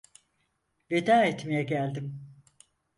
Veda etmeye geldim.